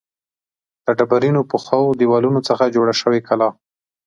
له ډبرینو پخو دیوالونو څخه جوړه شوې کلا ده.